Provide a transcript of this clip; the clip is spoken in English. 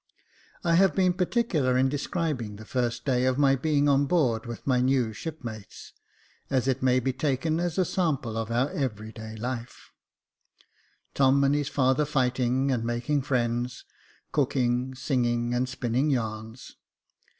I have been particular in describing the first day of my being on board with my new shipmates, as it may be taken as a sample of our 86 Jacob Faithful every day life ; Tom and his father fighting and making friends, cooking, singing, and spinning yarns.